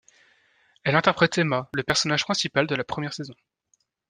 Elle interprète Emma, le personnage principal de la première saison.